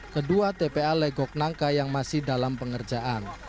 kedua tpa legok nangka yang masih dalam pengerjaan